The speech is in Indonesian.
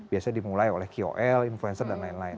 biasanya dimulai oleh kol influencer dan lain lain